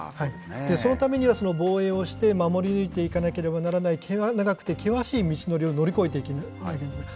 そのためには、その防衛をして、守り抜いていかなければならなくて、険しい道のりを乗り越えていかなきゃいけない。